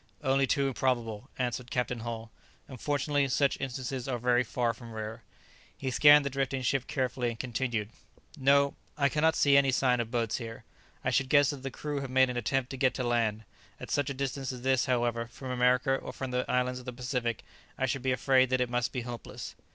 "Only too probable," answered Captain Hull, "unfortunately, such instances are very far from rare." He scanned the drifting ship carefully and continued, "No, I cannot see any sign of boats here, I should guess that the crew have made an attempt to get to land, at such a distance as this, however, from America or from the islands of the Pacific I should be afraid that it must be hopeless."